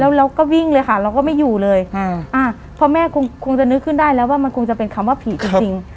แล้วเราก็วิ่งเลยค่ะเราก็ไม่อยู่เลยเพราะแม่คงจะนึกขึ้นได้แล้วว่ามันคงจะเป็นคำว่าผีจริง